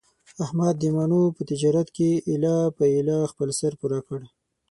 احمد د مڼو په تجارت کې ایله په ایله خپل سر پوره کړ.